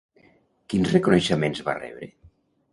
Quins reconeixements va rebre?